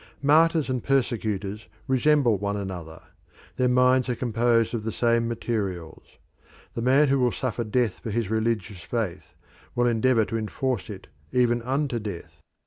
Martyrs and persecutors resemble one another; their minds are composed of the same materials. The man who will suffer death for his religious faith will endeavour to enforce it even unto death.